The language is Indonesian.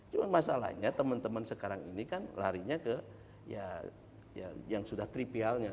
cuma masalahnya teman teman sekarang ini kan larinya ke ya yang sudah tripialnya